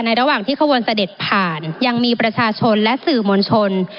ระหว่างที่ขบวนเสด็จผ่านยังมีประชาชนและสื่อมวลชน